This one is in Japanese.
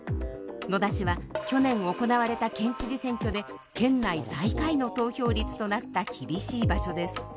野田市は去年行われた県知事選挙で県内最下位の投票率となった厳しい場所です。